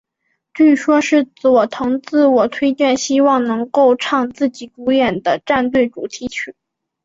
据说是佐藤自我推荐希望能够唱自己主演的战队主题曲。